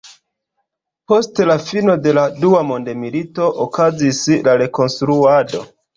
Post la fino de la Dua Mondmilito okazis la rekonstruado.